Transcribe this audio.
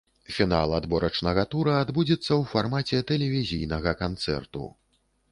Фінал адборачнага тура адбудзецца ў фармаце тэлевізійнага канцэрту.